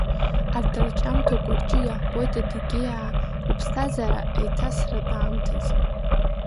Арҭ арҿиамҭақәа рҿы иаабоит адыгьеиаа рыԥсҭазаара аиҭасратә аамҭазы.